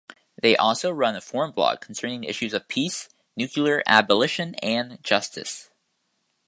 They also run a forum blog concerning issues of peace, nuclear abolition, and justice.